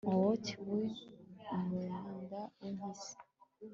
Quoth we Umwanda wimpyisi